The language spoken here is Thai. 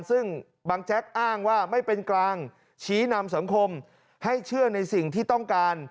ซึ่งบังแจ๊กอ้างว่าไม่เป็นกลางชี้นำสังคมให้เชื่อในสิ่งที่ต้องการ